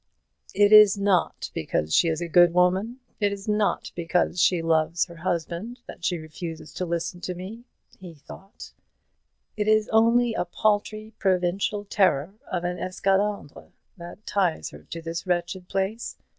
"It is not because she is a good woman, it is not because she loves her husband, that she refuses to listen to me," he thought; "it is only a paltry provincial terror of an esclandre that ties her to this wretched place.